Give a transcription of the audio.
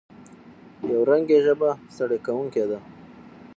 یو رنګي ژبه ستړې کوونکې ده.